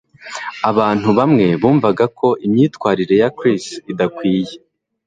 Abantu bamwe bumvaga ko imyitwarire ya Chris idakwiye